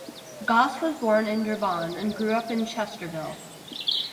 Goss was born in Durban and grew up in Chesterville.